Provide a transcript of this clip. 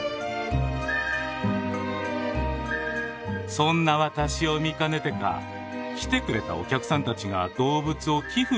そんな私を見かねてか来てくれたお客さんたちが動物を寄付してくれたんだよ。